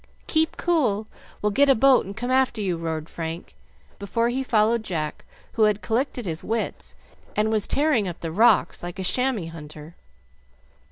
"Keep cool! We'll get a boat and come after you," roared Frank, before he followed Jack, who had collected his wits and was tearing up the rocks like a chamois hunter.